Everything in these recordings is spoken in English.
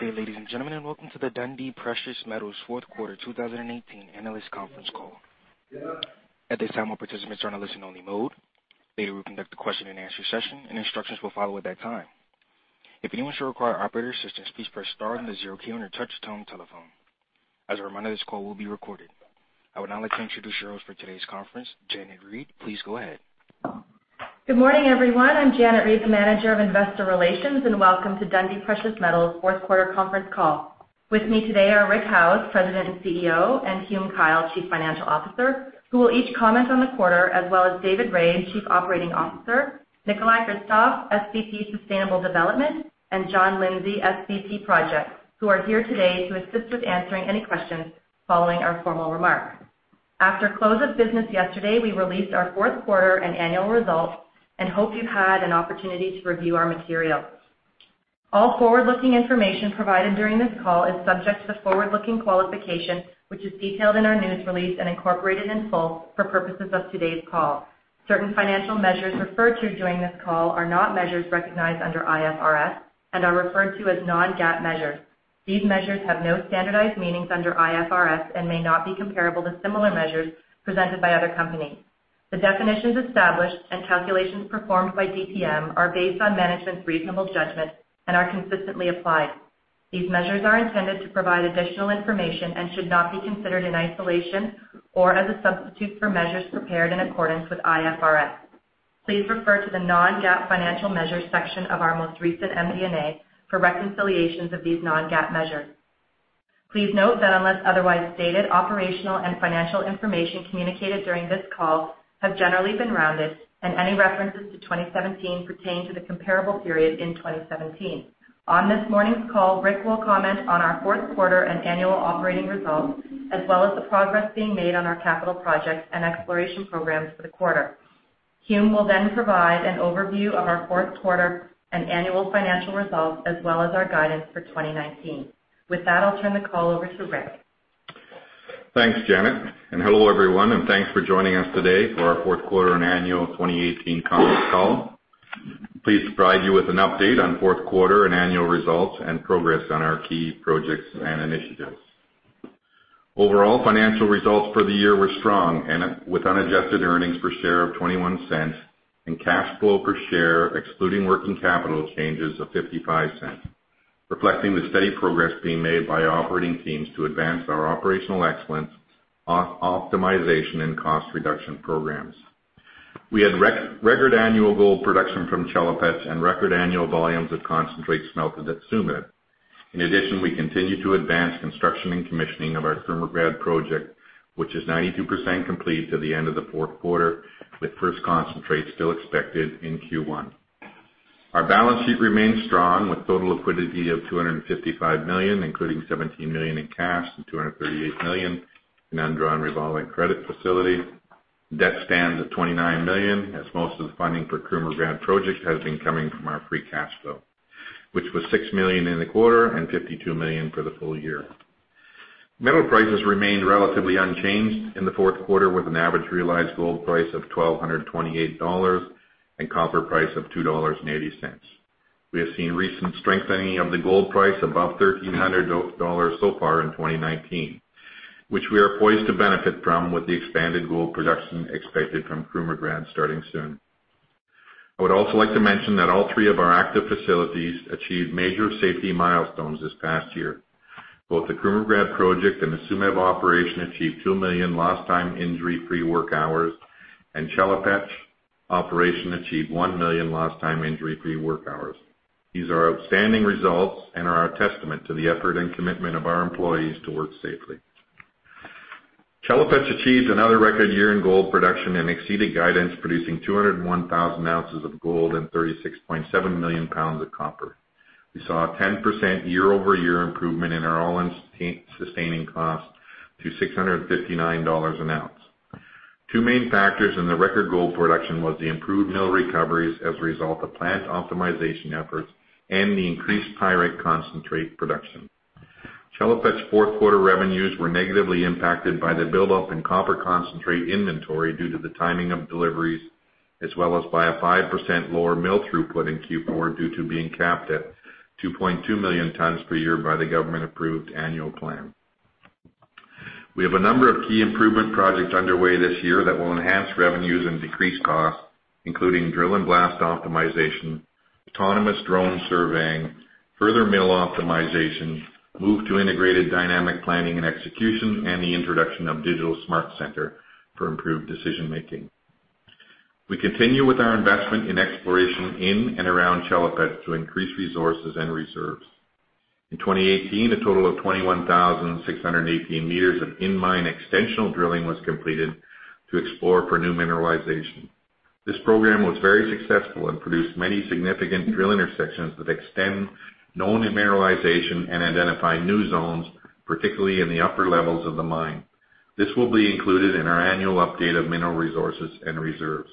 Good day, ladies and gentlemen, and welcome to the Dundee Precious Metals Q4 2018 analyst conference call. At this time, all participants are in a listen only mode. Later, we'll conduct a question and answer session, and instructions will follow at that time. If anyone should require operator assistance, please press star and the zero key on your touch-tone telephone. As a reminder, this call will be recorded. I would now like to introduce your host for today's conference, Janet Reid. Please go ahead. Good morning, everyone. I'm Janet Reid, the Manager of Investor Relations, and welcome to Dundee Precious Metals' Q4 conference call. With me today are Rick Howes, President and CEO, Hume Kyle, Chief Financial Officer, who will each comment on the quarter, as well as David Rae, Chief Operating Officer, Nikolay Hristov, SVP, Sustainable Development, and John Lindsay, SVP, Projects, who are here today to assist with answering any questions following our formal remarks. After close of business yesterday, we released our Q4 and annual results and hope you've had an opportunity to review our materials. All forward-looking information provided during this call is subject to forward-looking qualification, which is detailed in our news release and incorporated in full for purposes of today's call. Certain financial measures referred to during this call are not measures recognized under IFRS and are referred to as non-GAAP measures. These measures have no standardized meanings under IFRS and may not be comparable to similar measures presented by other companies. The definitions established and calculations performed by DPM are based on management's reasonable judgment and are consistently applied. These measures are intended to provide additional information and should not be considered in isolation or as a substitute for measures prepared in accordance with IFRS. Please refer to the non-GAAP financial measures section of our most recent MD&A for reconciliations of these non-GAAP measures. Please note that unless otherwise stated, operational and financial information communicated during this call have generally been rounded, and any references to 2017 pertain to the comparable period in 2017. On this morning's call, Rick will comment on our Q4 and annual operating results, as well as the progress being made on our capital projects and exploration programs for the quarter. Hume will then provide an overview of our Q4 and annual financial results, as well as our guidance for 2019. With that, I'll turn the call over to Rick. Thanks, Janet, and hello everyone, and thanks for joining us today for our fourth quarter and annual 2018 conference call. Pleased to provide you with an update on fourth quarter and annual results and progress on our key projects and initiatives. Overall financial results for the year were strong, with unadjusted earnings per share of $0.21 and cash flow per share excluding working capital changes of $0.55, reflecting the steady progress being made by our operating teams to advance our operational excellence, optimization, and cost reduction programs. We had record annual gold production from Chelopech and record annual volumes of concentrate smelted at Tsumeb. In addition, we continue to advance construction and commissioning of our Krumovgrad project, which is 92% complete at the end of the Q4, with first concentrate still expected in Q1. Our balance sheet remains strong with total liquidity of $255 million, including $17 million in cash and $238 million in undrawn revolving credit facility. Debt stands at $29 million, as most of the funding for Krumovgrad project has been coming from our free cash flow, which was $6 million in the quarter and $52 million for the full year. Metal prices remained relatively unchanged in the Q4 with an average realized gold price of $1,228 and copper price of $2.80. We have seen recent strengthening of the gold price above $1,300 so far in 2019, which we are poised to benefit from with the expanded gold production expected from Krumovgrad starting soon. I would also like to mention that all three of our active facilities achieved major safety milestones this past year. Both the Krumovgrad project and the Tsumeb operation achieved 2 million lost time injury-free work hours, and Chelopech operation achieved 1 million lost time injury-free work hours. These are outstanding results and are a testament to the effort and commitment of our employees to work safely. Chelopech achieved another record year in gold production and exceeded guidance, producing 201,000 ounces of gold and 36.7 million pounds of copper. We saw a 10% year-over-year improvement in our all-in sustaining cost to $659 an ounce. Two main factors in the record gold production was the improved mill recoveries as a result of plant optimization efforts and the increased pyrite concentrate production. Chelopech's Q4 revenues were negatively impacted by the buildup in copper concentrate inventory due to the timing of deliveries, as well as by a 5% lower mill throughput in Q4 due to being capped at 2.2 million tons per year by the government approved annual plan. We have a number of key improvement projects underway this year that will enhance revenues and decrease costs, including drill and blast optimization, autonomous drone surveying, further mill optimization, move to integrated dynamic planning and execution, and the introduction of digital smart center for improved decision making. We continue with our investment in exploration in and around Chelopech to increase resources and reserves. In 2018, a total of 21,618 meters of in-mine extensional drilling was completed to explore for new mineralization. This program was very successful and produced many significant drill intersections that extend known mineralization and identify new zones, particularly in the upper levels of the mine. This will be included in our annual update of mineral resources and reserves.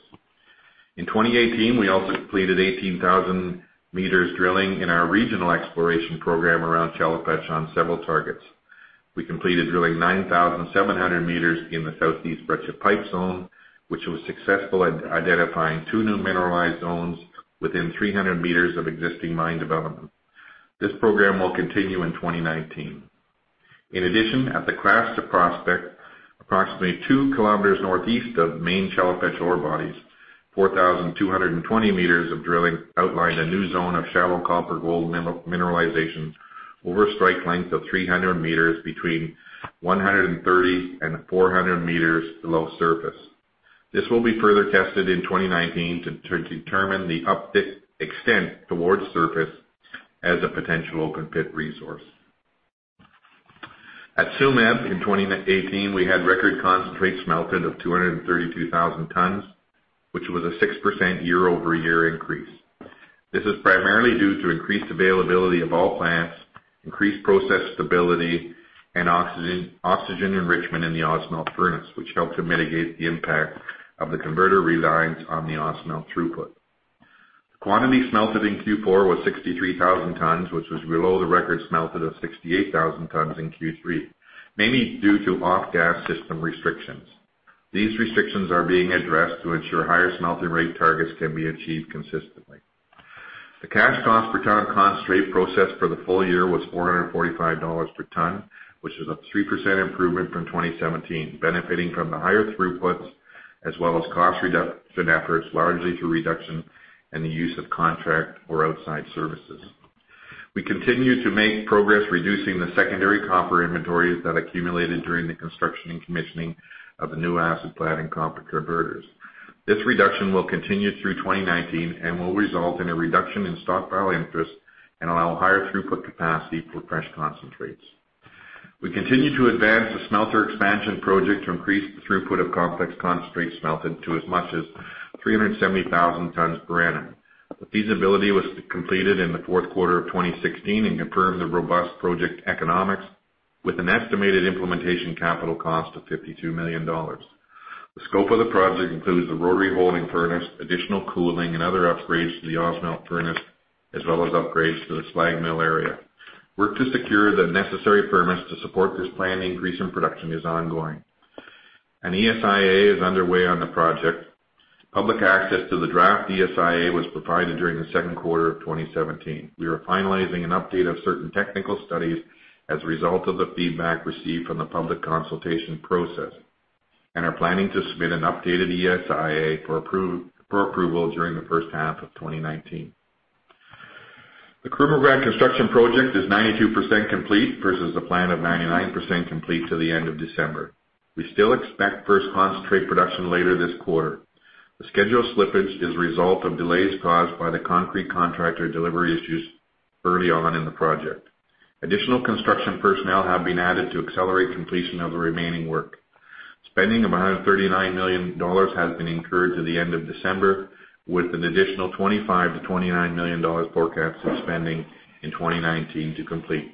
In 2018, we also completed 18,000 meters drilling in our regional exploration program around Chelopech on several targets. We completed drilling 9,700 meters in the Southeast Breccia Pipe Zone, which was successful at identifying two new mineralized zones within 300 meters of existing mine development. This program will continue in 2019. In addition, at the Klasta prospect, approximately two kilometers northeast of main Chalifex ore bodies, 4,220 meters of drilling outlined a new zone of shallow copper-gold mineralizations over a strike length of 300 meters between 130 and 400 meters below surface. This will be further tested in 2019 to determine the uptick extent towards surface as a potential open pit resource. At Tsumeb in 2018, we had record concentrate smelted of 232,000 tons, which was a six percent year-over-year increase. This is primarily due to increased availability of all plants, increased process stability, and oxygen enrichment in the Ausmelt furnace, which helped to mitigate the impact of the converter reliance on the Ausmelt throughput. The quantity smelted in Q4 was 63,000 tons, which was below the record smelted of 68,000 tons in Q3, mainly due to off-gas system restrictions. These restrictions are being addressed to ensure higher smelting rate targets can be achieved consistently. The cash cost per ton concentrate processed for the full year was $445 per ton, which is a three percent improvement from 2017, benefiting from the higher throughputs as well as cost reduction efforts, largely through reduction in the use of contract or outside services. We continue to make progress reducing the secondary copper inventories that accumulated during the construction and commissioning of the new acid plant and copper converters. This reduction will continue through 2019 and will result in a reduction in stockpile interest and allow higher throughput capacity for fresh concentrates. We continue to advance the smelter expansion project to increase the throughput of complex concentrate smelted to as much as 370,000 tons per annum. The feasibility was completed in the Q4 of 2016 and confirmed the robust project economics with an estimated implementation capital cost of $52 million. The scope of the project includes the rotary holding furnace, additional cooling, and other upgrades to the Ausmelt furnace, as well as upgrades to the slag mill area. Work to secure the necessary permits to support this planned increase in production is ongoing. An ESIA is underway on the project. Public access to the draft ESIA was provided during the Q2 of 2017. We are finalizing an update of certain technical studies as a result of the feedback received from the public consultation process and are planning to submit an updated ESIA for approval during the first half of 2019. The Krumovgrad construction project is 92% complete versus the plan of 99% complete to the end of December. We still expect first concentrate production later this quarter. The schedule slippage is a result of delays caused by the concrete contractor delivery issues early on in the project. Additional construction personnel have been added to accelerate completion of the remaining work. Spending of $139 million has been incurred to the end of December, with an additional $25 million-$29 million forecast of spending in 2019 to complete.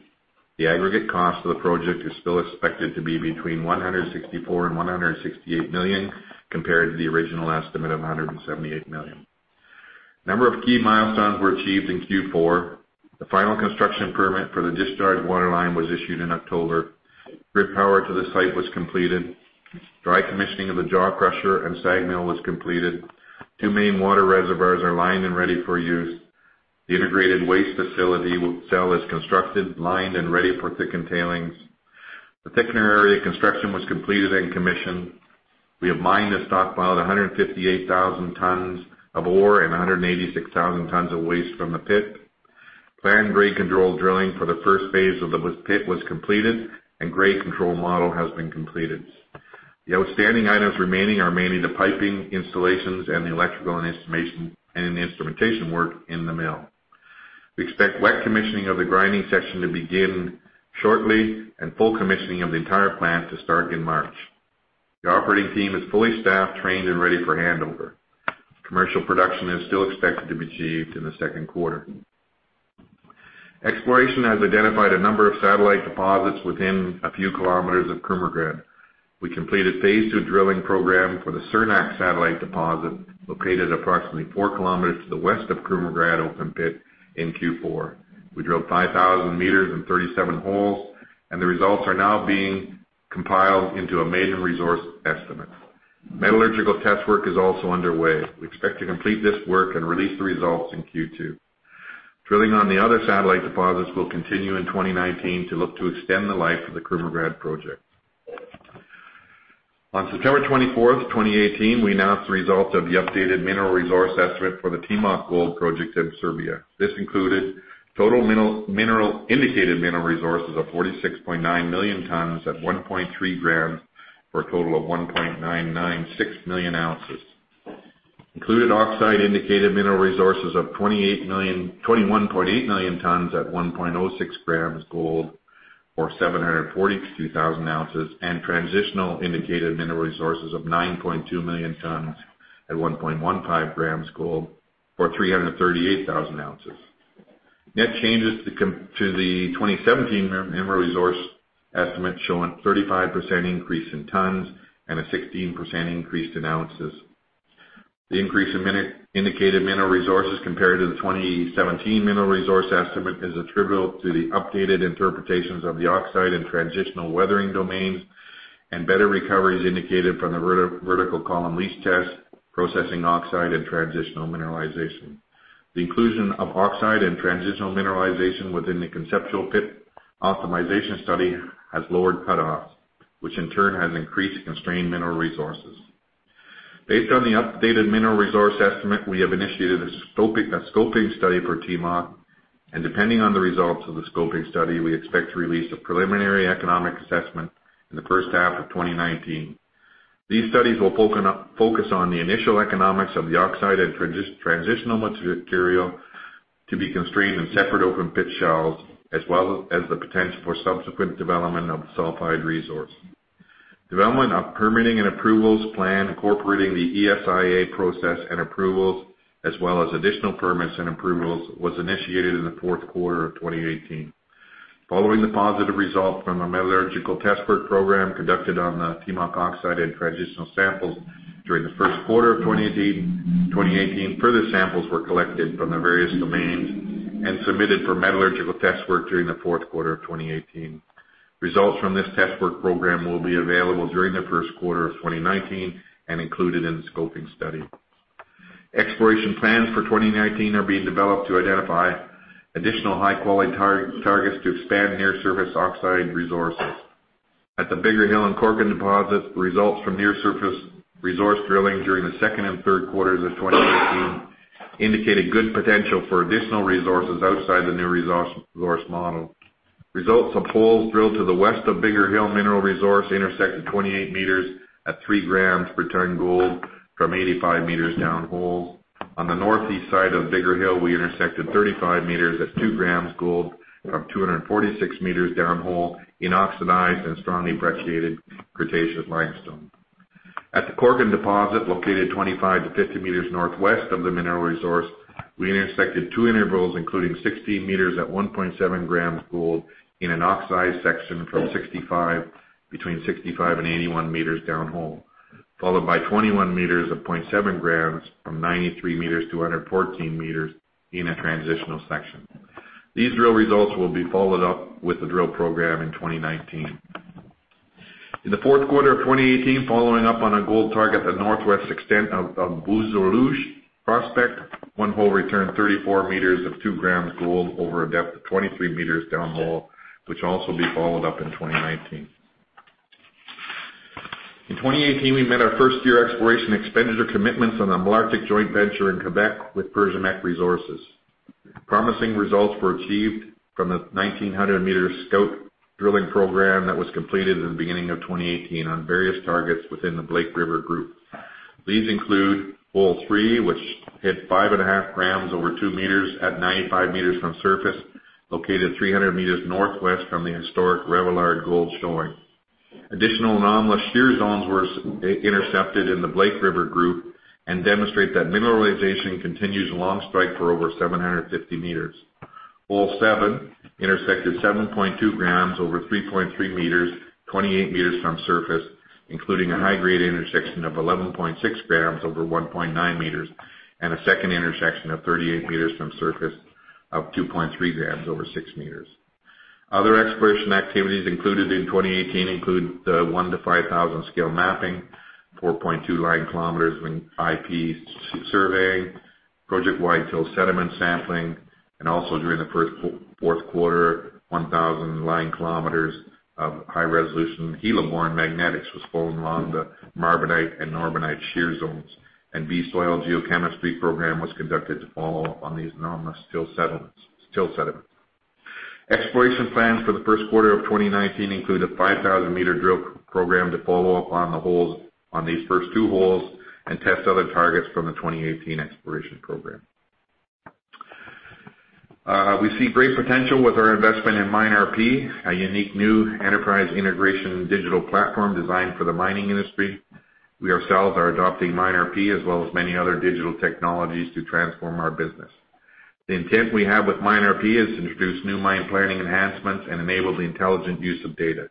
The aggregate cost of the project is still expected to be between $164 million and $168 million, compared to the original estimate of $178 million. A number of key milestones were achieved in Q4. The final construction permit for the discharge waterline was issued in October. Grid power to the site was completed. Dry commissioning of the jaw crusher and slag mill was completed. Two main water reservoirs are lined and ready for use. The integrated waste cell is constructed, lined, and ready for thickened tailings. The thickener area construction was completed and commissioned. We have mined a stockpile of 158,000 tons of ore and 186,000 tons of waste from the pit. Planned grade control drilling for the first phase of the pit was completed. Grade control model has been completed. The outstanding items remaining are mainly the piping installations and the electrical and instrumentation work in the mill. We expect wet commissioning of the grinding section to begin shortly and full commissioning of the entire plant to start in March. The operating team is fully staffed, trained, and ready for handover. Commercial production is still expected to be achieved in the second quarter. Exploration has identified a number of satellite deposits within a few kilometers of Krumovgrad. We completed phase two drilling program for the Cernak satellite deposit, located approximately four kilometers to the west of Krumovgrad open pit in Q4. We drilled 5,000 meters and 37 holes, and the results are now being compiled into a measured resource estimate. Metallurgical test work is also underway. We expect to complete this work and release the results in Q2. Drilling on the other satellite deposits will continue in 2019 to look to extend the life of the Krumovgrad project. On September 24th, 2018, we announced the results of the updated mineral resource estimate for the Timok gold project in Serbia. This included total indicated mineral resources of 46.9 million tons at 1.3 grams for a total of 1.996 million ounces. Included oxide indicated mineral resources of 21.8 million tons at 1.06 grams gold for 742,000 ounces and transitional indicated mineral resources of 9.2 million tons at 1.15 grams gold for 338,000 ounces. Net changes to the 2017 mineral resource estimate showing 35% increase in tons and a 16% increase in ounces. The increase in indicated mineral resources compared to the 2017 mineral resource estimate is attributable to the updated interpretations of the oxide and transitional weathering domains, and better recoveries indicated from the vertical column leach test, processing oxide and transitional mineralization. The inclusion of oxide and transitional mineralization within the conceptual pit optimization study has lowered cut-offs, which in turn has increased constrained mineral resources. Based on the updated mineral resource estimate, we have initiated a scoping study for Timok, and depending on the results of the scoping study, we expect to release a preliminary economic assessment in the first half of 2019. These studies will focus on the initial economics of the oxide and transitional material to be constrained in separate open pit shells, as well as the potential for subsequent development of the sulfide resource. Development of permitting and approvals plan incorporating the ESIA process and approvals as well as additional permits and approvals, was initiated in the Q4 of 2018. Following the positive result from the metallurgical test work program conducted on the Timok oxide and transitional samples during the Q1 of 2018, further samples were collected from the various domains and submitted for metallurgical test work during the fourth quarter of 2018. Results from this test work program will be available during the first quarter of 2019 and included in the scoping study. Exploration plans for 2019 are being developed to identify additional high-quality targets to expand near-surface oxide resources. At the Bigar Hill and Korkan deposits, the results from near-surface resource drilling during the second and third quarters of 2018 indicated good potential for additional resources outside the new resource model. Results of holes drilled to the west of Bigar Hill mineral resource intersected 28ms at 3g per ton gold from 85m downhole. On the northeast side of Bigar Hill, we intersected 35m at 2g gold from 246m downhole in oxidized and strongly brecciated Cretaceous limestone. At the Korkan deposit, located 25 - 50m northwest of the mineral resource, we intersected two intervals, including 16m at 1.7g gold in an oxidized section between 65 and 81 meters downhole, followed by 21m of 0.7g from 93m - 114m in a transitional section. These drill results will be followed up with the drill program in 2019. In the Q4 of 2018, following up on a gold target at the northwest extent of Bouzoulougues prospect, one hole returned 34m of 2 g gold over a depth of 23 m downhole, which will also be followed up in 2019. In 2018, we met our first-year exploration expenditure commitments on the Malartic joint venture in Quebec with Pershimex Resources. Promising results were achieved from the 1,900-m scout drilling program that was completed in the beginning of 2018 on various targets within the Blake River Group. These include hole three, which hit five and a half grams over 2 meters at 95 meters from surface, located 300 meters northwest from the historic Revelard gold showing. Additional anomalous shear zones were intercepted in the Blake River Group and demonstrate that mineralization continues along strike for over 750 meters. Hole seven intersected 7.2 grams over 3.3 meters, 28 meters from surface, including a high-grade intersection of 11.6 grams over 1.9 meters, and a second intersection of 38 meters from surface of 2.3 grams over 6 meters. Other exploration activities included in 2018 include the 1:5,000 scale mapping, 4.2 line kilometers of IP surveying, project-wide till sediment sampling, and also during the Q4, 1,000 line kilometers of high-resolution heli-borne magnetics was flown along the marlbornite and bornite shear zones, and B soil geochemistry program was conducted to follow up on these anomalous till sediments. Exploration plans for the first quarter of 2019 include a 5,000-meter drill program to follow up on these first two holes and test other targets from the 2018 exploration program. We see great potential with our investment in MineRP, a unique new enterprise integration digital platform designed for the mining industry. We ourselves are adopting MineRP as well as many other digital technologies to transform our business. The intent we have with MineRP is to introduce new mine planning enhancements and enable the intelligent use of data.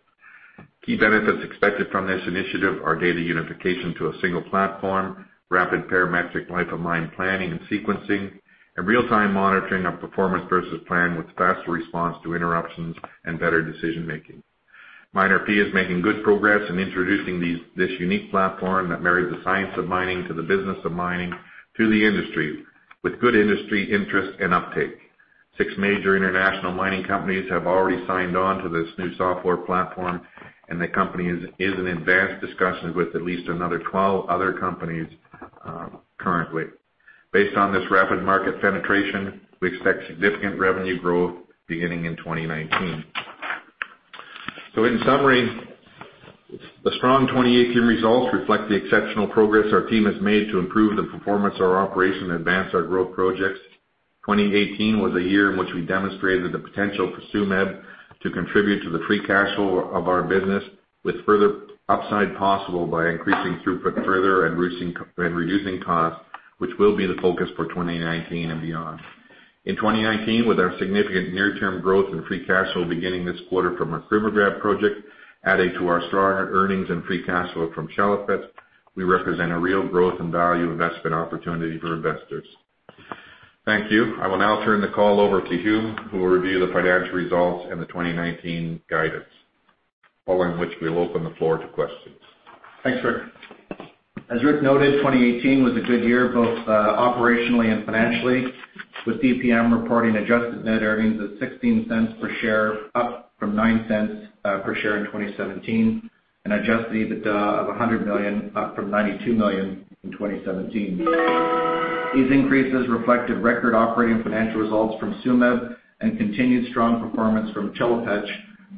Key benefits expected from this initiative are data unification to a single platform, rapid parametric life-of-mine planning and sequencing, and real-time monitoring of performance versus plan with faster response to interruptions and better decision-making. MineRP is making good progress in introducing this unique platform that marries the science of mining to the business of mining through the industry with good industry interest and uptake. Six major international mining companies have already signed on to this new software platform, and the company is in advanced discussions with at least another 12 other companies currently. Based on this rapid market penetration, we expect significant revenue growth beginning in 2019. In summary, the strong 2018 results reflect the exceptional progress our team has made to improve the performance of our operation and advance our growth projects. 2018 was a year in which we demonstrated the potential for Tsumeb to contribute to the free cash flow of our business with further upside possible by increasing throughput further and reducing costs, which will be the focus for 2019 and beyond. In 2019, with our significant near-term growth in free cash flow beginning this quarter from our Krumovgrad project, adding to our strong earnings and free cash flow from Chelopech, we represent a real growth and value investment opportunity for investors. Thank you. I will now turn the call over to Hume, who will review the financial results and the 2019 guidance, following which we will open the floor to questions. Thanks, Rick. As Rick noted, 2018 was a good year, both operationally and financially, with DPM reporting adjusted net earnings of $0.16 per share, up from $0.09 per share in 2017, and adjusted EBITDA of $100 million, up from $92 million in 2017. These increases reflected record operating financial results from Tsumeb and continued strong performance from Chelopech,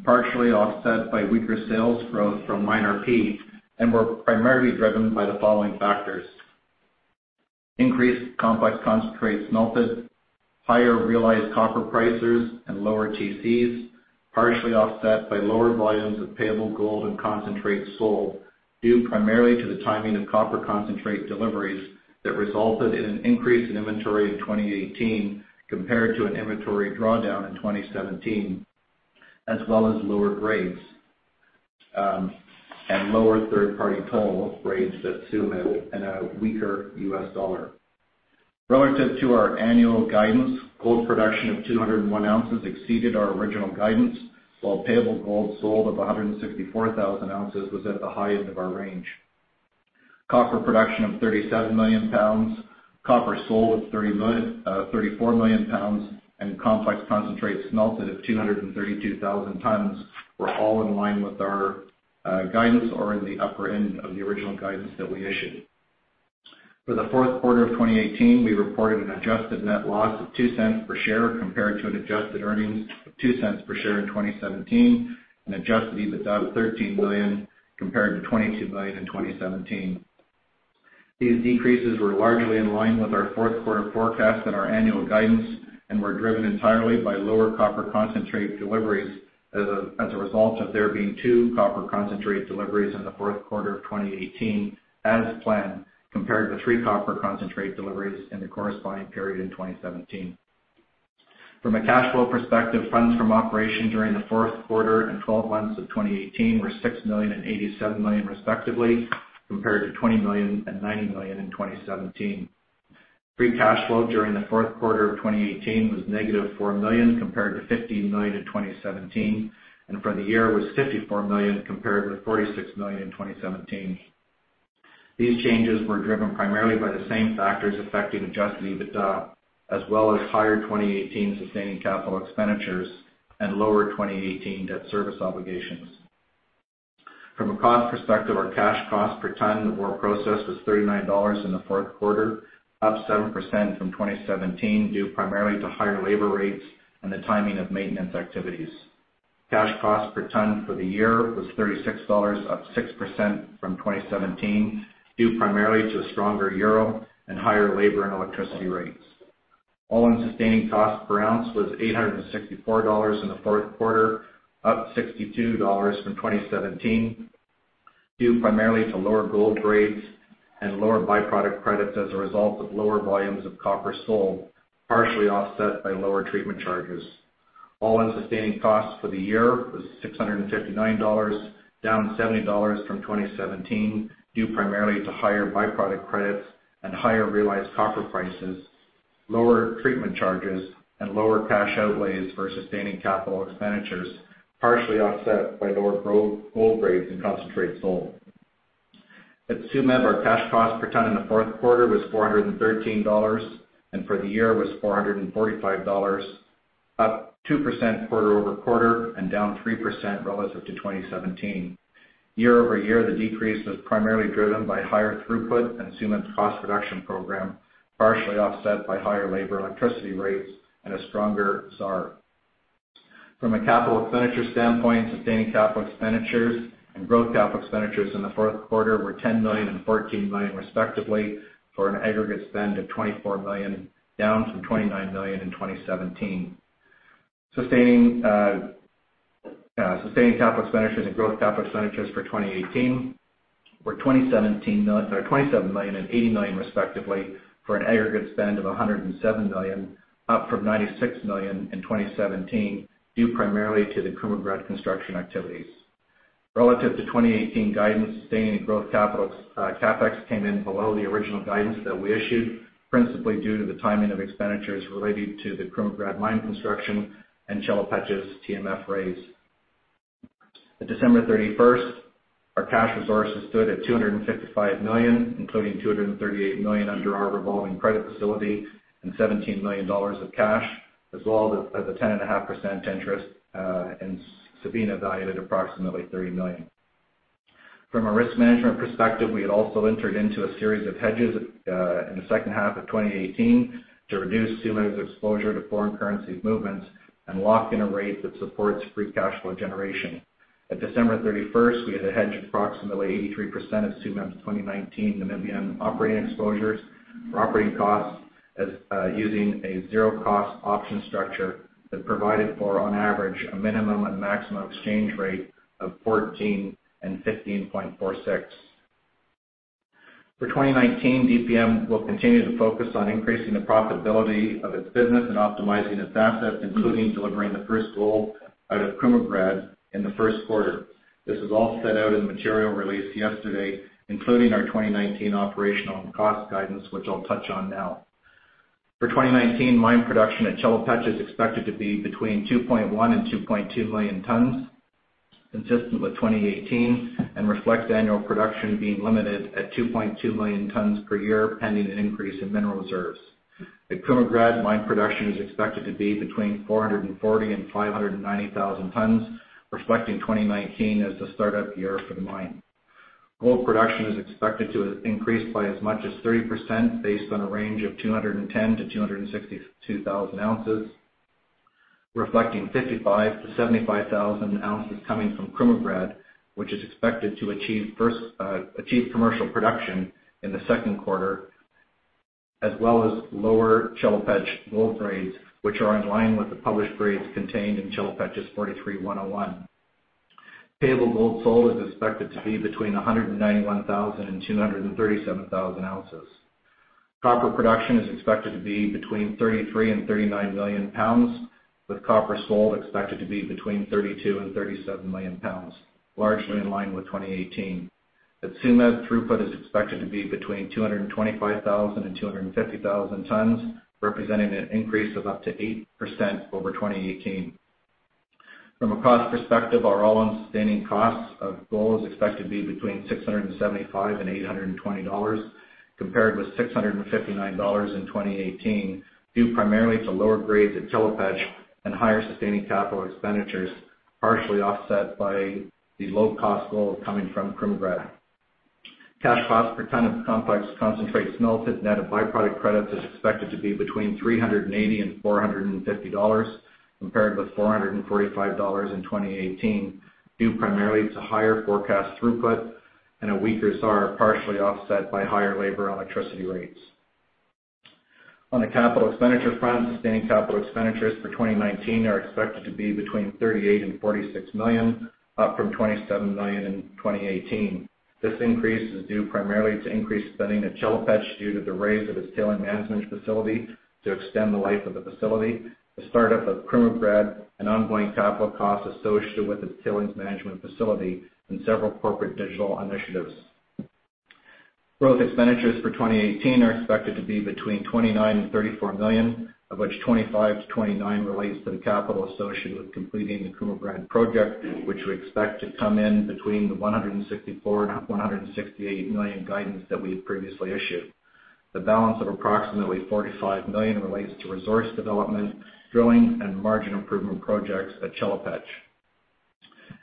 partially offset by weaker sales growth from MineRP, and were primarily driven by the following factors. Increased complex concentrates melted, higher realized copper prices, and lower TCs, partially offset by lower volumes of payable gold and concentrates sold, due primarily to the timing of copper concentrate deliveries that resulted in an increase in inventory in 2018 compared to an inventory drawdown in 2017, as well as lower grades and lower third-party toll rates at Tsumeb and a weaker US dollar. Relative to our annual guidance, gold production of 201 ounces exceeded our original guidance, while payable gold sold of 164,000 ounces was at the high end of our range. Copper production of 37 million pounds, copper sold of 34 million pounds, and complex concentrates melted at 232,000 tons were all in line with our guidance or in the upper end of the original guidance that we issued. For the fourth quarter of 2018, we reported an adjusted net loss of $0.02 per share compared to an adjusted earnings of $0.02 per share in 2017, an adjusted EBITDA of $13 million compared to $22 million in 2017. These decreases were largely in line with our Q4 forecast and our annual guidance and were driven entirely by lower copper concentrate deliveries as a result of there being two copper concentrate deliveries in the Q4 of 2018 as planned, compared to three copper concentrate deliveries in the corresponding period in 2017. From a cash flow perspective, funds from operation during the Q4 and 12 months of 2018 were $6 million and $87 million respectively, compared to $20 million and $90 million in 2017. Free cash flow during the Q4 of 2018 was negative $4 million compared to $15 million in 2017, and for the year was $54 million compared to $46 million in 2017. These changes were driven primarily by the same factors affecting adjusted EBITDA, as well as higher 2018 sustaining capital expenditures and lower 2018 debt service obligations. From a cost perspective, our cash cost per ton of ore processed was $39 in the Q4, up seven percent from 2017, due primarily to higher labor rates and the timing of maintenance activities. Cash cost per ton for the year was $36, up six percent from 2017, due primarily to a stronger euro and higher labor and electricity rates. All-in sustaining cost per ounce was $864 in the Q4, up $62 from 2017, due primarily to lower gold grades and lower byproduct credits as a result of lower volumes of copper sold, partially offset by lower treatment charges. All-in sustaining costs for the year was $659, down $70 from 2017, due primarily to higher byproduct credits and higher realized copper prices, lower treatment charges, and lower cash outlays for sustaining capital expenditures, partially offset by lower gold grades and concentrates sold. At Tsumeb, our cash cost per ton in the Q4 was $413, and for the year was $445, up two percent quarter-over-quarter and down three percent relative to 2017. Year-over-year, the decrease was primarily driven by higher throughput and Tsumeb's cost reduction program, partially offset by higher labor, electricity rates, and a stronger ZAR. From a capital expenditure standpoint, sustaining capital expenditures and growth capital expenditures in the Q4 were $10 million and $14 million respectively, for an aggregate spend of $24 million, down from $29 million in 2017. Sustaining capital expenditures and growth capital expenditures for 2018 were $27 million and $8 million respectively, for an aggregate spend of $107 million, up from $96 million in 2017, due primarily to the Krumovgrad construction activities. Relative to 2018 guidance, sustaining and growth CapEx came in below the original guidance that we issued, principally due to the timing of expenditures relating to the Krumovgrad mine construction and Chelopech's TMF raise. At December 31st, our cash resources stood at $255 million, including $238 million under our revolving credit facility and $17 million of cash, as well as a 10.5% interest in Sabina valued at approximately $30 million. From a risk management perspective, we had also entered into a series of hedges in the second half of 2018 to reduce Tsumeb's exposure to foreign currency movements and lock in a rate that supports free cash flow generation. At December 31st, we had a hedge approximately 83% of Tsumeb's 2019 Namibian operating exposures for operating costs using a zero cost option structure that provided for, on average, a minimum and maximum exchange rate of 14 and 15.46. 2019, DPM will continue to focus on increasing the profitability of its business and optimizing its assets, including delivering the first gold out of Krumovgrad in the Q1. This is all set out in the material released yesterday, including our 2019 operational and cost guidance, which I'll touch on now. 2019, mine production at Chelopech is expected to be between 2.1 million-2.2 million tons, consistent with 2018, and reflects annual production being limited at 2.2 million tons per year, pending an increase in mineral reserves. At Krumovgrad, mine production is expected to be between 440,000-590,000 tons, reflecting 2019 as the start-up year for the mine. Gold production is expected to increase by as much as 30%, based on a range of 210,000-262,000 ounces, reflecting 55,000-75,000 ounces coming from Krumovgrad, which is expected to achieve commercial production in the Q2, as well as lower Chelopech gold grades, which are in line with the published grades contained in Chelopech's 43-101. Total gold sold is expected to be between 191,000-237,000 ounces. Copper production is expected to be between 33 million-39 million pounds, with copper sold expected to be between 32 million-37 million pounds, largely in line with 2018. At Tsumeb, throughput is expected to be between 225,000-250,000 tons, representing an increase of up to eight percent over 2018. From a cost perspective, our all-in sustaining cost of gold is expected to be between $675-$820, compared with $659 in 2018, due primarily to lower grades at Chelopech and higher sustaining capital expenditures, partially offset by the low-cost gold coming from Krumovgrad. Cash cost per ton of complex concentrates melted, net of by-product credits, is expected to be between $380-$450, compared with $445 in 2018, due primarily to higher forecast throughput and a weaker ZAR, partially offset by higher labor and electricity rates. On the capital expenditure front, sustaining capital expenditures for 2019 are expected to be between $38 million-$46 million, up from $27 million in 2018. This increase is due primarily to increased spending at Chelopech, due to the raise of its tailings management facility to extend the life of the facility, the start-up of Krumovgrad, and ongoing capital costs associated with its tailings management facility and several corporate digital initiatives. Growth expenditures for 2018 are expected to be between $29 million-$34 million, of which $25 million-$29 million relates to the capital associated with completing the Krumovgrad project, which we expect to come in between the $164 million-$168 million guidance that we had previously issued. The balance of approximately $45 million relates to resource development, drilling, and margin improvement projects at Chelopech.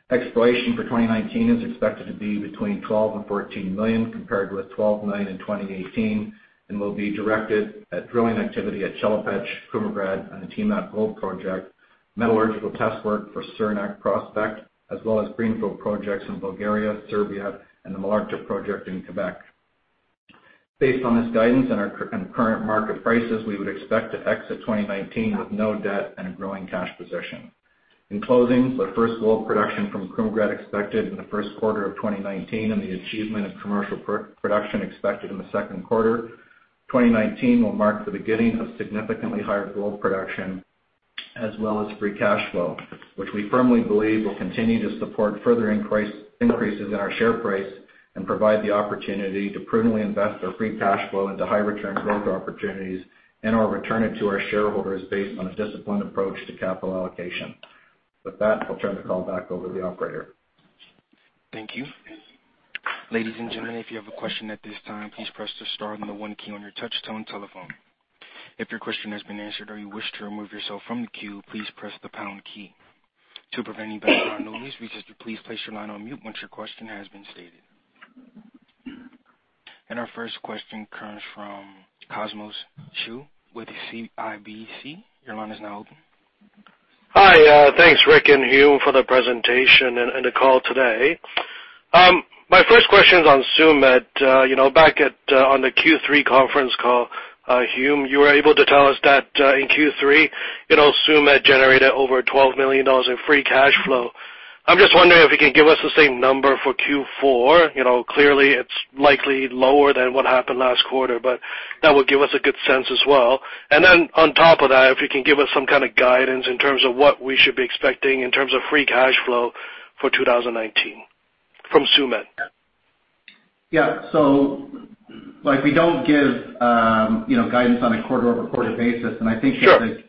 Exploration for 2019 is expected to be between $12 million and $14 million, compared with $12 million in 2018, and will be directed at drilling activity at Chelopech, Krumovgrad and the Timok gold project, metallurgical test work for Cernak prospect, as well as greenfield projects in Bulgaria, Serbia, and the Malartic project in Quebec. Based on this guidance and current market prices, we would expect to exit 2019 with no debt and a growing cash position. In closing, the first gold production from Krumovgrad expected in the Q1 of 2019, and the achievement of commercial production expected in the Q2. 2019 will mark the beginning of significantly higher gold production as well as free cash flow, which we firmly believe will continue to support further increases in our share price and provide the opportunity to prudently invest our free cash flow into high return growth opportunities and/or return it to our shareholders based on a disciplined approach to capital allocation. With that, I'll turn the call back over to the operator. Thank you. Ladies and gentlemen, if you have a question at this time, please press the star and the one key on your touchtone telephone. If your question has been answered or you wish to remove yourself from the queue, please press the pound key. To prevent any background noise, we ask that you please place your line on mute once your question has been stated. Our first question comes from Cosmos Chiu with CIBC. Your line is now open. Hi. Thanks, Rick and Hume, for the presentation and the call today. My first question is on Tsumeb. Back on the Q3 conference call, Hume, you were able to tell us that in Q3, Tsumeb generated over $12 million in free cash flow. I'm just wondering if you can give us the same number for Q4. Clearly, it's likely lower than what happened last quarter, but that would give us a good sense as well. Then on top of that, if you can give us some kind of guidance in terms of what we should be expecting in terms of free cash flow for 2019 from Tsumeb. Yeah. We don't give guidance on a quarter-over-quarter basis. Sure. I think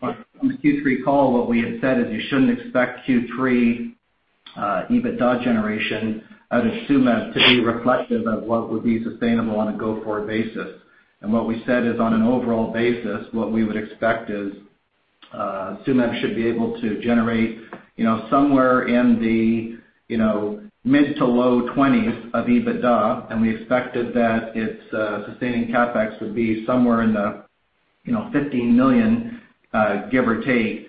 on the Q3 call, what we had said is you shouldn't expect Q3 EBITDA generation out of Tsumeb to be reflective of what would be sustainable on a go-forward basis. What we said is, on an overall basis, what we would expect is Tsumeb should be able to generate somewhere in the mid to low 20s of EBITDA, and we expected that its sustaining CapEx would be somewhere in the $15 million, give or take.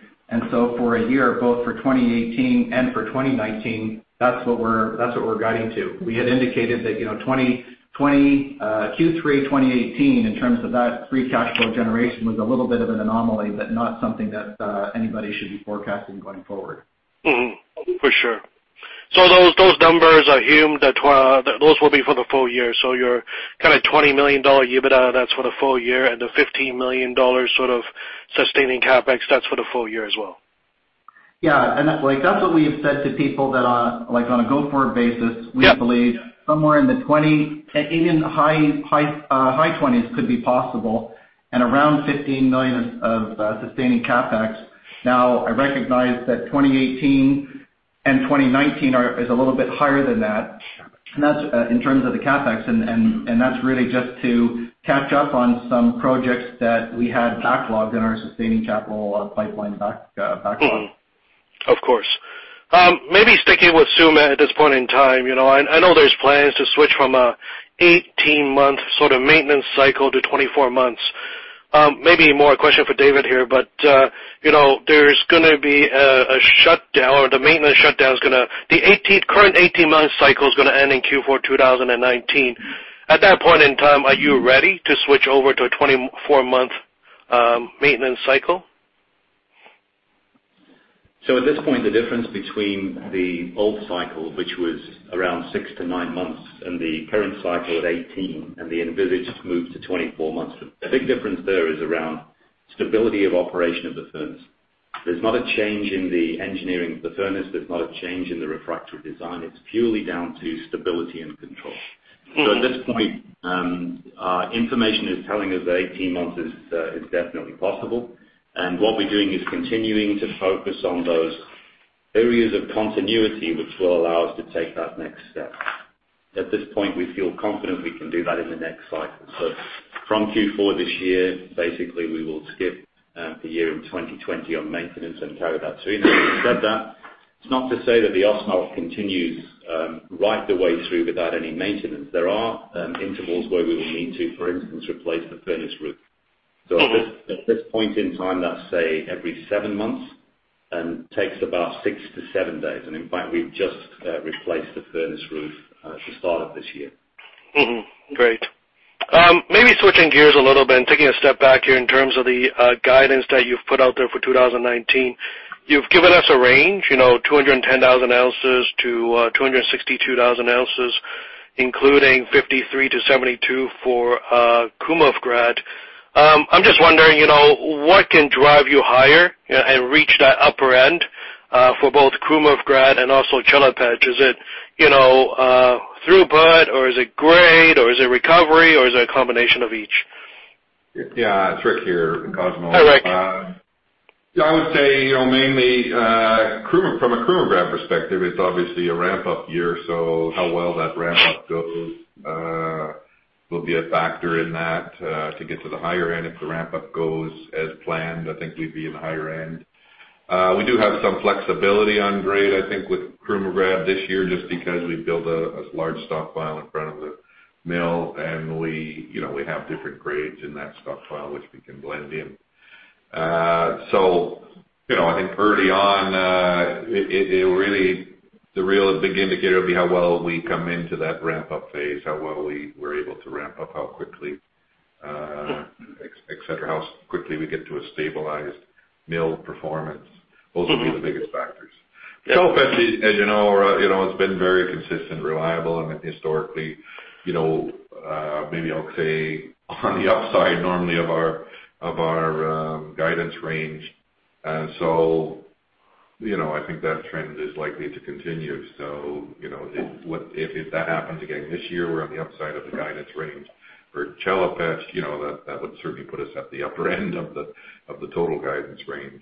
For a year, both for 2018 and for 2019, that's what we're guiding to. We had indicated that Q3 2018, in terms of that free cash flow generation, was a little bit of an anomaly, not something that anybody should be forecasting going forward. For sure. Those numbers, I assume that those will be for the full year. Your $20 million EBITDA, that's for the full year, and the $15 million sustaining CapEx, that's for the full year as well. Yeah. That's what we have said to people that on a go-forward basis- Yeah we believe somewhere in the high 20s could be possible and around $15 million of sustaining CapEx. I recognize that 2018 and 2019 is a little bit higher than that in terms of the CapEx, that's really just to catch up on some projects that we had backlogged in our sustaining capital pipeline backlog. Of course. Maybe sticking with Tsumeb at this point in time, I know there's plans to switch from an 18-month sort of maintenance cycle to 24 months. Maybe more a question for David here. There's going to be a shutdown. The current 18-month cycle is going to end in Q4 2019. At that point in time, are you ready to switch over to a 24-month maintenance cycle? At this point, the difference between the old cycle, which was around six - nine months, and the current cycle at 18, and the envisaged move to 24 months, the big difference there is around stability of operation of the furnace. There's not a change in the engineering of the furnace. There's not a change in the refractory design. It's purely down to stability and control. At this point, information is telling us that 18 months is definitely possible, and what we're doing is continuing to focus on those areas of continuity which will allow us to take that next step. At this point, we feel confident we can do that in the next cycle. From Q4 this year, basically we will skip the year in 2020 on maintenance and carry that through. Having said that, it's not to say that the oven continues right the way through without any maintenance. There are intervals where we will need to, for instance, replace the furnace roof. At this point in time, that's, say, every seven months and takes about six - seven days. In fact, we've just replaced the furnace roof at the start of this year. Great. Maybe switching gears a little bit and taking a step back here in terms of the guidance that you've put out there for 2019. You've given us a range, 210,000 ounces-262,000 ounces, including 53,000-72,000 ounces for Krumovgrad. I'm just wondering, what can drive you higher and reach that upper end for both Krumovgrad and also Chelopech? Is it throughput, or is it grade, or is it recovery, or is it a combination of each? Yeah. Rick here, Cosmos. Hi, Rick. I would say, mainly from a Krumovgrad perspective, it's obviously a ramp-up year, how well that ramp-up goes will be a factor in that to get to the higher end. If the ramp-up goes as planned, I think we'd be in the higher end. We do have some flexibility on grade, I think, with Krumovgrad this year just because we've built a large stockpile in front of the mill, and we have different grades in that stockpile which we can blend in. I think early on, the real big indicator will be how well we come into that ramp-up phase, how well we were able to ramp up, how quickly, et cetera, how quickly we get to a stabilized mill performance. Those would be the biggest factors. As you know, it's been very consistent, reliable, and historically, maybe I'll say, on the upside normally of our guidance range. I think that trend is likely to continue. If that happens again this year, we're on the upside of the guidance range. For Chelopech, that would certainly put us at the upper end of the total guidance range.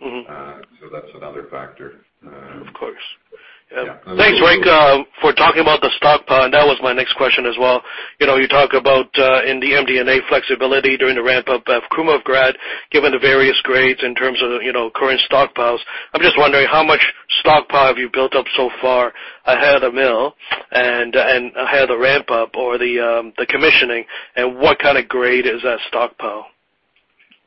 That's another factor. Of course. Yeah. Thanks, Rick, for talking about the stockpile. That was my next question as well. You talk about in the MD&A flexibility during the ramp-up of Krumovgrad, given the various grades in terms of current stockpiles. I'm just wondering how much stockpile have you built up so far ahead of the mill and ahead of the ramp-up or the commissioning, and what kind of grade is that stockpile?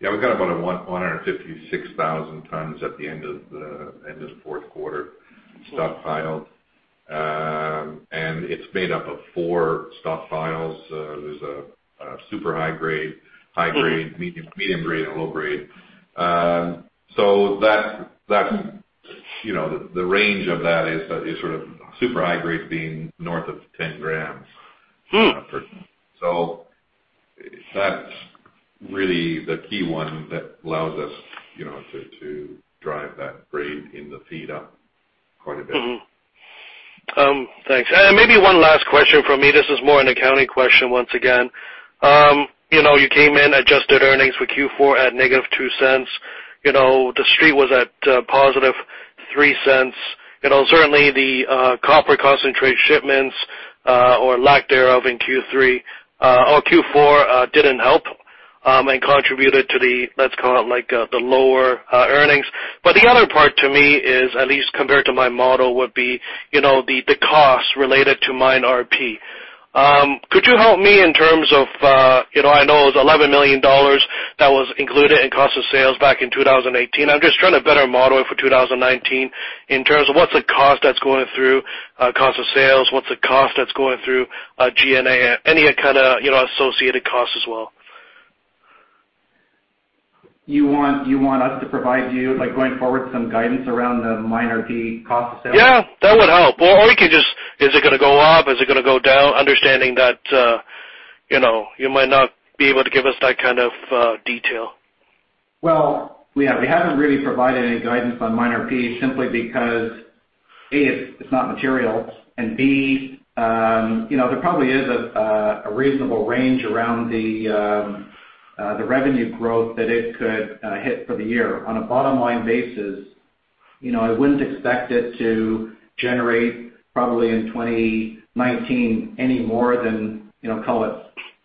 Yeah, we got about 156,000 tons at the end of the Q4 stockpiled. It's made up of four stockpiles. There's a super high grade, high grade, medium grade, and low grade. The range of that is super high grade being north of 10 grams. That's really the key one that allows us to drive that grade in the feed up quite a bit. Mm-hmm. Thanks. Maybe one last question from me. This is more an accounting question once again. You came in adjusted earnings for Q4 at negative $0.02. The Street was at positive $0.03. Certainly, the copper concentrate shipments, or lack thereof, in Q3 or Q4 didn't help and contributed to the, let's call it, the lower earnings. The other part to me is, at least compared to my model, would be the cost related to MineRP. Could you help me in terms of, I know it was $11 million that was included in cost of sales back in 2018. I'm just trying to better model it for 2019 in terms of what's the cost that's going through cost of sales, what's the cost that's going through G&A, any kind of associated costs as well? You want us to provide you, going forward, some guidance around the MineRP cost of sales? Yeah, that would help. You can just Is it going to go up? Is it going to go down? Understanding that you might not be able to give us that kind of detail. Well, we haven't really provided any guidance on MineRP simply because, A, it's not material. B, there probably is a reasonable range around the revenue growth that it could hit for the year. On a bottom-line basis, I wouldn't expect it to generate, probably in 2019, any more than, call it,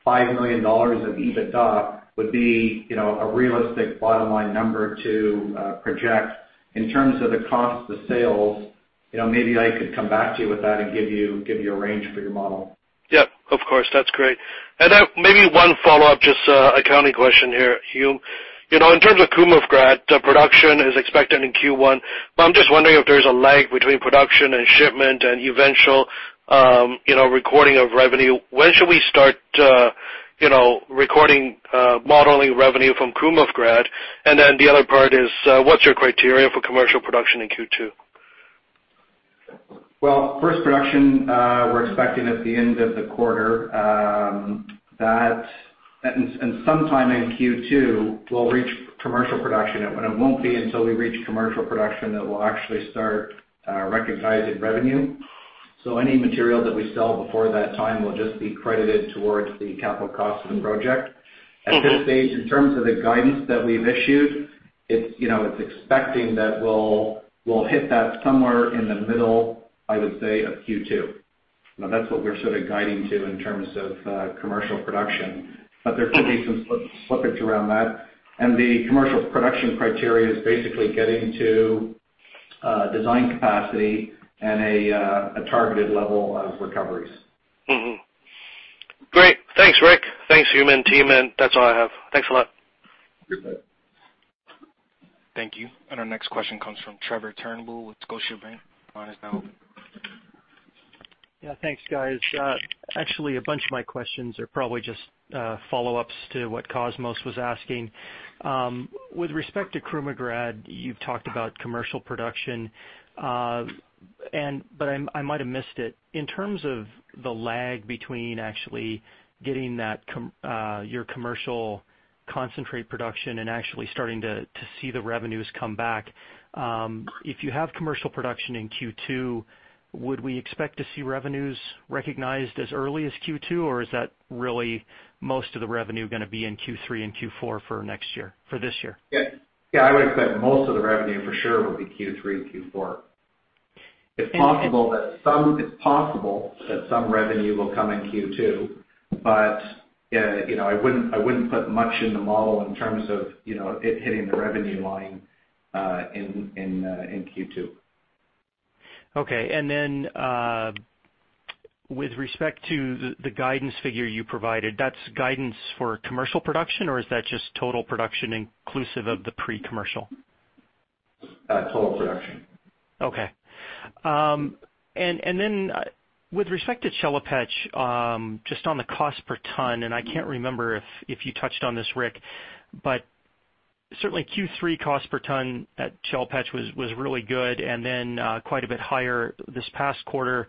$5 million of EBITDA, would be a realistic bottom-line number to project. In terms of the cost of sales, maybe I could come back to you with that and give you a range for your model. Yeah, of course. That's great. Maybe one follow-up, just an accounting question here, Hume. In terms of Krumovgrad, production is expected in Q1, but I'm just wondering if there's a lag between production and shipment and eventual recording of revenue. When should we start recording modeling revenue from Krumovgrad? Then the other part is, what's your criteria for commercial production in Q2? Well, first production, we're expecting at the end of the quarter. Sometime in Q2, we'll reach commercial production. It won't be until we reach commercial production that we'll actually start recognizing revenue. Any material that we sell before that time will just be credited towards the capital cost of the project. Okay. At this stage, in terms of the guidance that we've issued, it's expecting that we'll hit that somewhere in the middle, I would say, of Q2. That's what we're sort of guiding to in terms of commercial production. There could be some slippage around that. The commercial production criteria is basically getting to design capacity and a targeted level of recoveries. Great. Thanks, Rick. Thanks, Hume and team. That's all I have. Thanks a lot. You bet. Thank you. Our next question comes from Trevor Turnbull with Scotiabank. Your line is now open. Yeah, thanks, guys. Actually, a bunch of my questions are probably just follow-ups to what Cosmos was asking. With respect to Krumovgrad, you've talked about commercial production. I might have missed it. In terms of the lag between actually getting your commercial concentrate production and actually starting to see the revenues come back, if you have commercial production in Q2, would we expect to see revenues recognized as early as Q2, or is that really most of the revenue going to be in Q3 and Q4 for this year? Yeah, I would expect most of the revenue for sure will be Q3 and Q4. It's possible that some revenue will come in Q2. I wouldn't put much in the model in terms of it hitting the revenue line in Q2. Okay. With respect to the guidance figure you provided, that's guidance for commercial production, or is that just total production inclusive of the pre-commercial? Total production. Okay. With respect to Chelopech, just on the cost per ton, I can't remember if you touched on this, Rick, but certainly Q3 cost per ton at Chelopech was really good and then quite a bit higher this past quarter.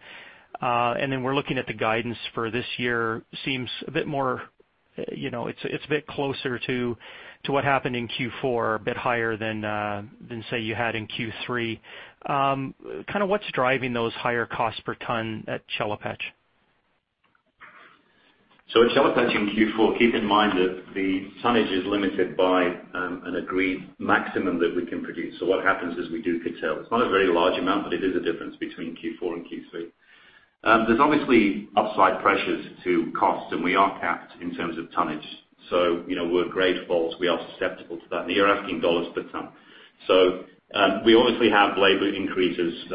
We are looking at the guidance for this year seems it's a bit closer to what happened in Q4, a bit higher than, say, you had in Q3. What's driving those higher costs per ton at Chelopech? At Chelopech in Q4, keep in mind that the tonnage is limited by an agreed maximum that we can produce. What happens is we do curtail. It's not a very large amount, but it is a difference between Q4 and Q3. There's obviously upside pressures to costs, and we are capped in terms of tonnage. We are grade faults, we are susceptible to that. You are asking $ per ton. We obviously have labor increases.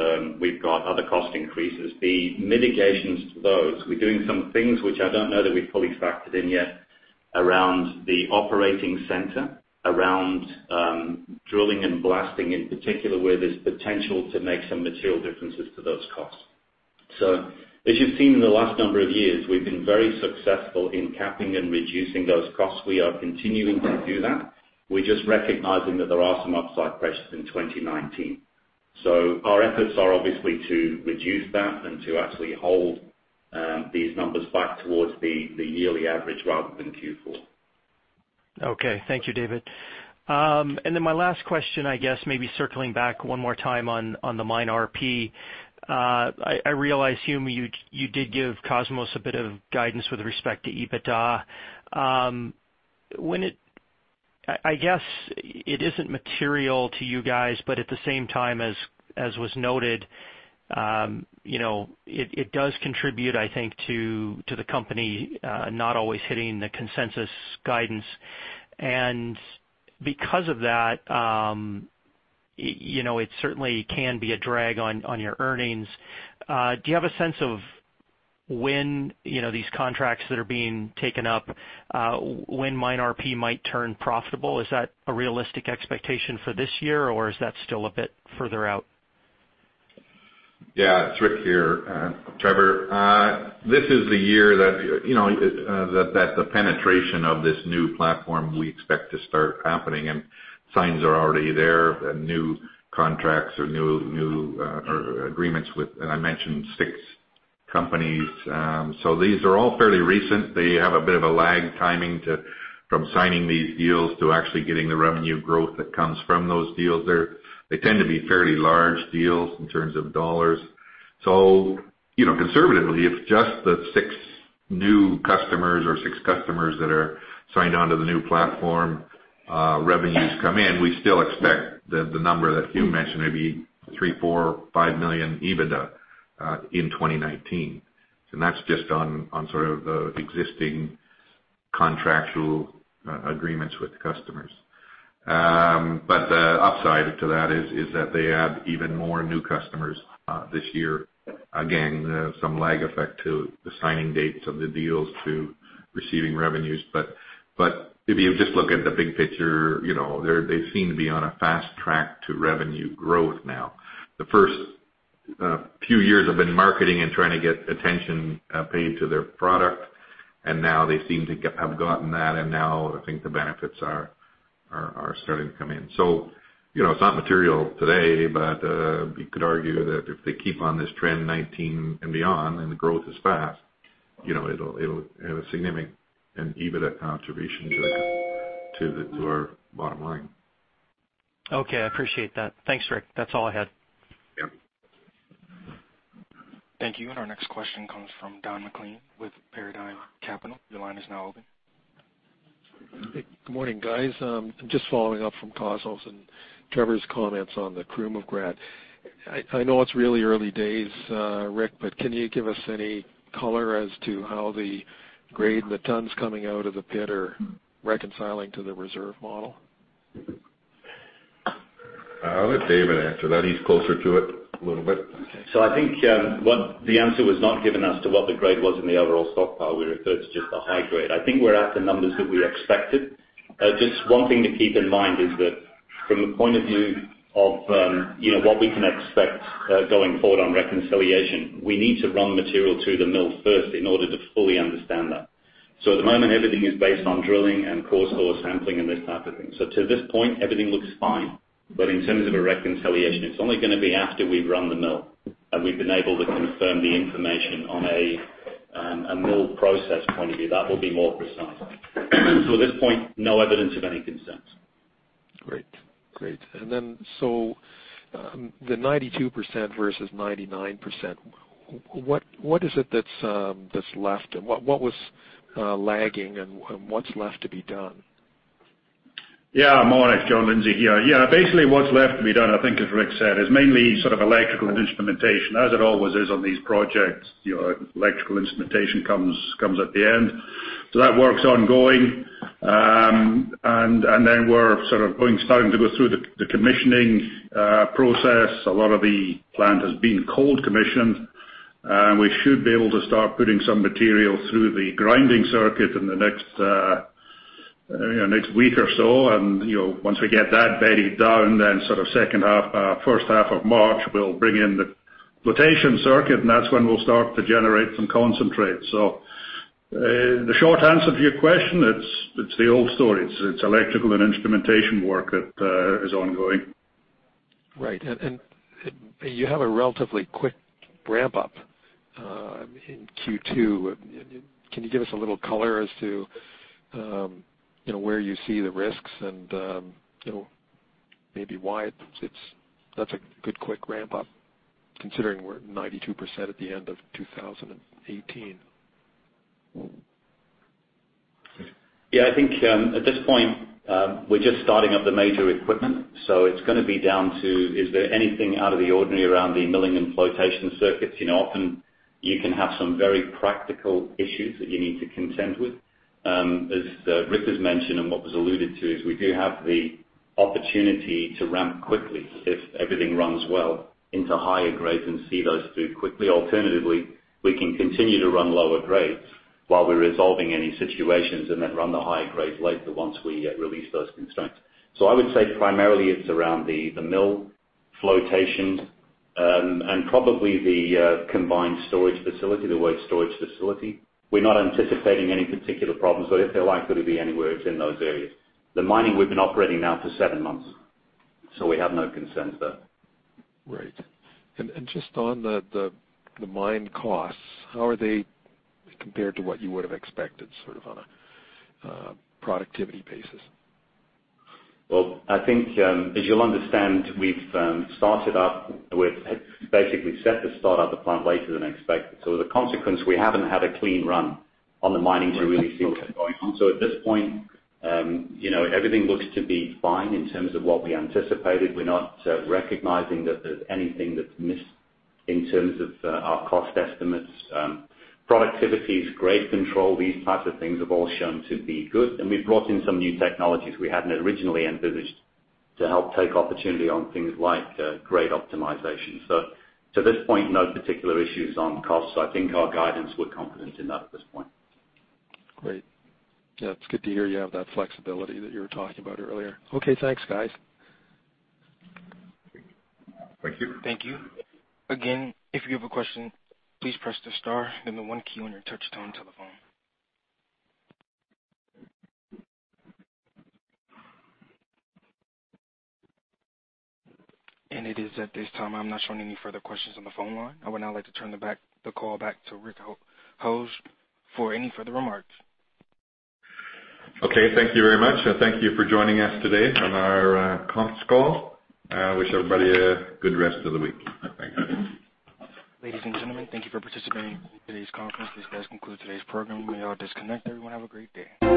We've got other cost increases. The mitigations to those, we are doing some things which I don't know that we've fully factored in yet around the operating center, around drilling and blasting in particular, where there's potential to make some material differences to those costs. As you've seen in the last number of years, we've been very successful in capping and reducing those costs. We are continuing to do that. We're just recognizing that there are some upside pressures in 2019. Our efforts are obviously to reduce that and to actually hold these numbers back towards the yearly average rather than Q4. Okay. Thank you, David. My last question, I guess maybe circling back one more time on the MineRP. I realize, Hume, you did give Cosmos a bit of guidance with respect to EBITDA. I guess it isn't material to you guys, but at the same time as was noted, it does contribute, I think, to the company not always hitting the consensus guidance. Because of that, it certainly can be a drag on your earnings. Do you have a sense of when these contracts that are being taken up, when MineRP might turn profitable? Is that a realistic expectation for this year, or is that still a bit further out? Yeah, it's Rick here, Trevor. This is the year that the penetration of this new platform, we expect to start happening, and signs are already there. New contracts or new agreements with, I mentioned, six companies. These are all fairly recent. They have a bit of a lag timing from signing these deals to actually getting the revenue growth that comes from those deals. They tend to be fairly large deals in terms of dollars. Conservatively, if just the six new customers or six customers that are signed onto the new platform revenues come in, we still expect the number that Hume mentioned, maybe $3 million-$5 million EBITDA in 2019. That's just on sort of the existing contractual agreements with customers. The upside to that is that they add even more new customers this year. Again, some lag effect to the signing dates of the deals to receiving revenues. If you just look at the big picture, they seem to be on a fast track to revenue growth now. The first few years have been marketing and trying to get attention paid to their product, and now they seem to have gotten that, and now I think the benefits are starting to come in. It's not material today, but you could argue that if they keep on this trend 2019 and beyond and the growth is fast, it'll have a significant EBITDA contribution to our bottom line. Okay. I appreciate that. Thanks, Rick. That's all I had. Yep. Thank you. Our next question comes from Don MacLean with Paradigm Capital. Your line is now open. Good morning, guys. Just following up from Costos and Trevor's comments on the Krumovgrad. I know it's really early days, Rick, but can you give us any color as to how the grade and the tonnes coming out of the pit are reconciling to the reserve model? I'll let David answer that. He's closer to it a little bit. I think what the answer was not given as to what the grade was in the overall stockpile. We referred to just the high grade. I think we're at the numbers that we expected. Just one thing to keep in mind is that from the point of view of what we can expect going forward on reconciliation, we need to run material through the mill first in order to fully understand that. At the moment, everything is based on drilling and core sampling and this type of thing. To this point, everything looks fine, but in terms of a reconciliation, it's only going to be after we've run the mill and we've been able to confirm the information on a mill process point of view. That will be more precise. At this point, no evidence of any concerns. Great. The 92% versus 99%, what is it that's left and what was lagging and what's left to be done? Morning. John Lindsay here. Basically what's left to be done, I think, as Rick said, is mainly sort of electrical and instrumentation, as it always is on these projects. Electrical instrumentation comes at the end. That work's ongoing. Then we're sort of starting to go through the commissioning process. A lot of the plant has been cold commissioned. We should be able to start putting some material through the grinding circuit in the next week or so. Once we get that bedded down, then sort of first half of March, we'll bring in the flotation circuit, and that's when we'll start to generate some concentrate. The short answer to your question, it's the old story. It's electrical and instrumentation work that is ongoing. Right. You have a relatively quick ramp up in Q2. Can you give us a little color as to where you see the risks and maybe why that's a good quick ramp up considering we're at 92% at the end of 2018? I think at this point, we're just starting up the major equipment. It's going to be down to, is there anything out of the ordinary around the milling and flotation circuits? Often you can have some very practical issues that you need to contend with. As Rick has mentioned and what was alluded to is we do have the opportunity to ramp quickly if everything runs well into higher grades and see those through quickly. Alternatively, we can continue to run lower grades while we're resolving any situations and then run the higher grades later once we release those constraints. I would say primarily it's around the mill flotation, and probably the combined storage facility, the waste storage facility. We're not anticipating any particular problems, but if they're likely to be anywhere, it's in those areas. The mining we've been operating now for seven months, we have no concerns there. Right. Just on the mine costs, how are they compared to what you would have expected sort of on a productivity basis? Well, I think as you'll understand, we've basically set to start up the plant later than expected. As a consequence, we haven't had a clean run on the mining to really see what's going on. At this point, everything looks to be fine in terms of what we anticipated. We're not recognizing that there's anything that's missed in terms of our cost estimates. Productivities, grade control, these types of things have all shown to be good. We've brought in some new technologies we hadn't originally envisaged to help take opportunity on things like grade optimization. To this point, no particular issues on costs. I think our guidance, we're confident in that at this point. Great. Yeah, it's good to hear you have that flexibility that you were talking about earlier. Okay, thanks, guys. Thank you. Thank you. Again, if you have a question, please press the star then the one key on your touch-tone telephone. It is at this time I'm not showing any further questions on the phone line. I would now like to turn the call back to Rick Howes for any further remarks. Okay, thank you very much. Thank you for joining us today on our conf call. I wish everybody a good rest of the week. Thanks. Ladies and gentlemen, thank you for participating in today's conference. This does conclude today's program. You may all disconnect. Everyone have a great day.